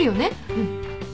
うん。